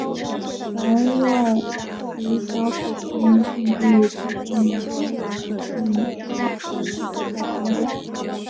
两人意外以小组头名晋级也间接引发女双消极比赛风波。